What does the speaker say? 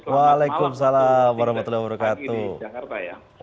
waalaikumsalam warahmatullahi wabarakatuh